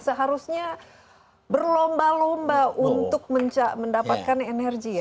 seharusnya berlomba lomba untuk mendapatkan energi ya